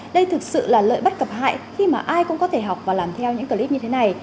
đây thực sự là lợi bất cập hại khi mà ai cũng có thể học và làm theo những clip như thế này